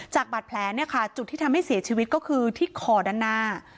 จากบัตรแผลจุดที่ทำให้เสียชีวิตก็คือที่คอด้านหน้า